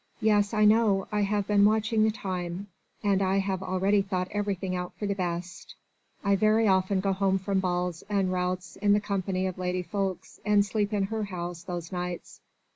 "Yes, I know. I have been watching the time: and I have already thought everything out for the best. I very often go home from balls and routs in the company of Lady Ffoulkes and sleep in her house those nights.